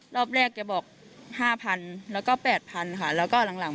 รอบแรกแกบอกห้าพันแล้วก็แปดพันค่ะแล้วก็หลัง